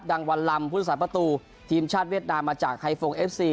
ดังวันล่ำผู้ใช้ประตูทีมชาติเวียดดามมาจากไฮฟงศ์เอฟซี